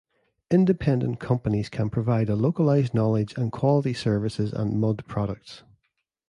Independent companies can provide a localized knowledge, and quality services and mud products.